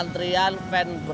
gak cukup pulsaanya